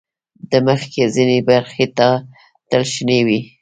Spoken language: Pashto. د مځکې ځینې برخې تل شنې وي.